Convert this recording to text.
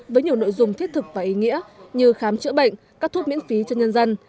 với nhiều nội dung thiết thực và ý nghĩa như khám chữa bệnh cắt thuốc miễn phí cho nhân dân